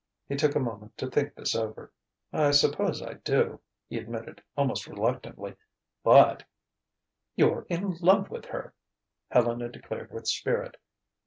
He took a moment to think this over. "I suppose I do," he admitted almost reluctantly. "But " "You're in love with her!" Helena declared with spirit.